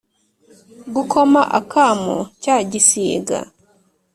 Gukoma akamo cya gisiga